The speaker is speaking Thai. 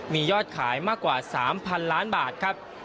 มียอดขายมากกว่า๓๐๐๐ล้านบาทครับ